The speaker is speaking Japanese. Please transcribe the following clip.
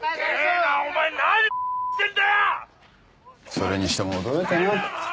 それにしても驚いたな。